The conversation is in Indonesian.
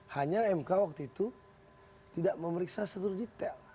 hanya mk waktu itu tidak memeriksa seluruh detail